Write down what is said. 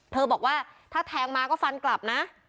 บอกว่าถ้าแทงมาก็ฟันกลับนะ